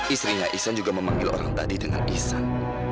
istrinya iksan juga memanggil orang tadi dengan iksan